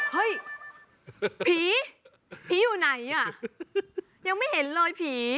เฮ้ยผีผีอยู่ไหนอ่ะยังไม่เห็นเลยผี